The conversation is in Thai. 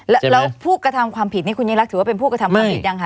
แล้วผู้กระทำความผิดนี่คุณยิ่งรักถือว่าเป็นผู้กระทำความผิดยังคะ